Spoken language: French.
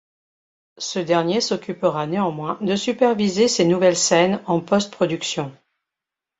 Ce dernier s'occupera néanmoins de superviser ces nouvelles scènes en post-production.